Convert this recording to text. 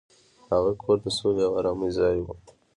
هغه کور د سولې او ارامۍ ځای و.